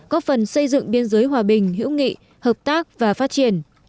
góp phần xây dựng biên giới hòa bình hữu nghị hợp tác và phát triển